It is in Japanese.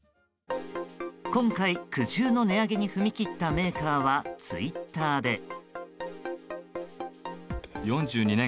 今回、苦渋の値上げに踏み切ったメーカーはツイッターで。